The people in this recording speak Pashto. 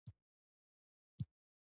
پانګوال په دې پیسو خپل لګښتونه پوره کوي